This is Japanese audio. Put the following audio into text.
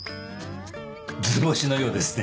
図星のようですね。